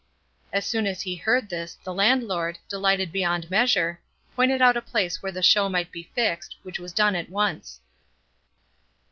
As soon as he heard this, the landlord, delighted beyond measure, pointed out a place where the show might be fixed, which was done at once.